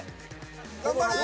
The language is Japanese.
頑張れ！